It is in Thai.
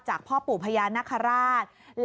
พ่อปู่พญานาคาราช